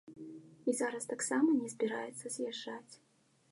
І зараз таксама не збіраецца з'язджаць.